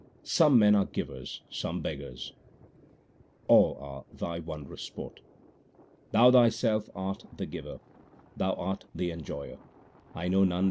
Some men are givers, some beggars ; all are Thy wondrous sport. Thou Thyself art the Giver ; Thou art the Enjoyer ; I know none beside Thee.